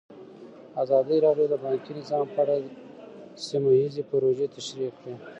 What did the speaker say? ازادي راډیو د بانکي نظام په اړه سیمه ییزې پروژې تشریح کړې.